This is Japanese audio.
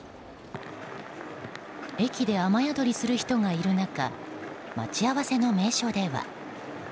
駅で雨宿りする人がいる中待ち合わせの名所では。